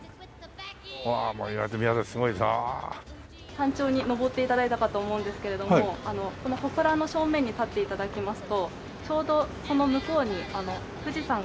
山頂に登って頂いたかと思うんですけれどもこの祠の正面に立って頂きますとちょうどその向こうに富士山が。